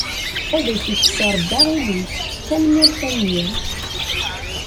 Ad ak-ikkes Rabbi aɣilif, tanemmirt a mmi.